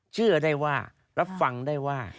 เชื่อได้ว่ารับฟังได้ว่า